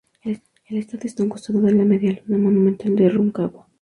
El estadio está a un costado de la Medialuna Monumental de Rancagua.